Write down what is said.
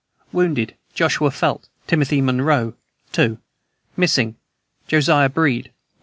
Wounded: Joshua Felt, Timothy Monroe, 2. Missing: Josiah Breed, 1.